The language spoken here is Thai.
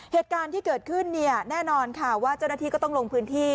เหตุการณ์ที่เกิดขึ้นเนี่ยแน่นอนค่ะว่าเจ้าหน้าที่ก็ต้องลงพื้นที่